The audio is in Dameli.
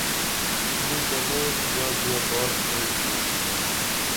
موں تہ مئی ایس زادیہ باٹ تھئی نِشی تُھم